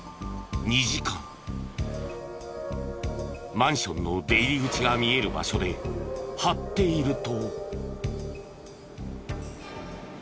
マンションの出入り口が見える場所で張っていると。